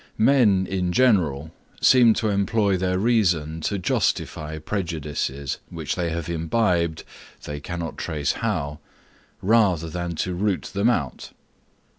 Men, in general, seem to employ their reason to justify prejudices, which they have imbibed, they cannot trace how, rather than to root them out.